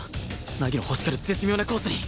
凪の欲しがる絶妙なコースに